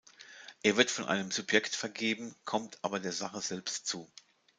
Er wird von einem Subjekt vergeben, kommt aber der Sache selbst zu.